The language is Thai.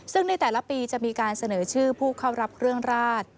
ซึ่งในแต่ละปีจะมีการเสนอชื่อผู้เข้ารับเครื่องราช